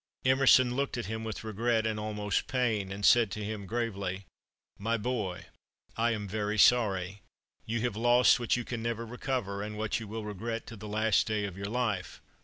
Emerson looked at him with regret and almost pain, and said to him, gravely: "My boy, I am very sorry; you have lost what you can never recover, and what you will regret to the last day of your life."